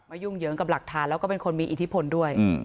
ยุ่งเหยิงกับหลักฐานแล้วก็เป็นคนมีอิทธิพลด้วย